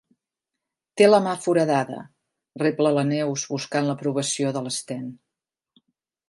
Té la mà foradada —rebla la Neus, buscant l'aprovació de l'Sten.